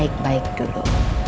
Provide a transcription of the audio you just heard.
bikin baik baik dulu